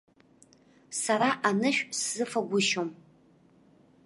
Сара анышә сзыфагәышьом.